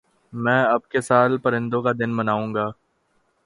میں اب کے سال پرندوں کا دن مناؤں گا